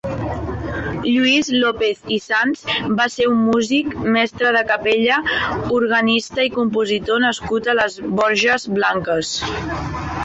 Lluís López i Sans va ser un músic, mestre de capella, organista i compositor nascut a les Borges Blanques.